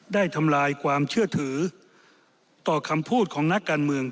ทำลายความเชื่อถือต่อคำพูดของนักการเมือง